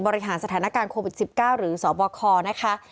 บริหารสถานการณ์โควิด๑๙หรือสบคนะคะ